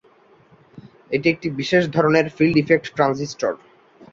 এটি একটি বিশেষ ধরনের ফিল্ড ইফেক্ট ট্রানজিস্টর।